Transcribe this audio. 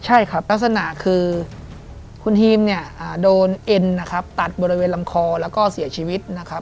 ใช่ครับลักษณะคือคุณฮีมโดนเอ็นตัดบริเวณลำคอแล้วก็เสียชีวิต